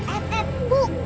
eh eh bu